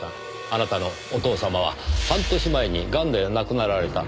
あなたのお父様は半年前にガンで亡くなられた。